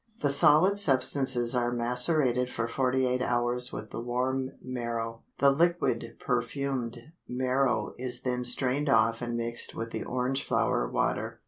The solid substances are macerated for forty eight hours with the warm marrow, the liquid perfumed marrow is then strained off and mixed with the orange flower water.